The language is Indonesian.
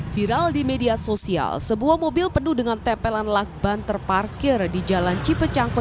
viral di media sosial sebuah mobil penuh dengan tempelan lakban terparkir di jalan cipecang